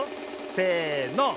せの。